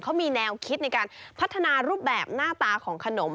เขามีแนวคิดในการพัฒนารูปแบบหน้าตาของขนม